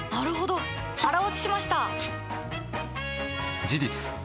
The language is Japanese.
腹落ちしました！